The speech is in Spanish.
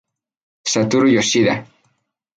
Satoru Yoshida